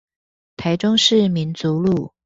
台中市民族路